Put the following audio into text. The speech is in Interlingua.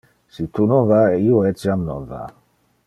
Si tu non va, io etiam non va.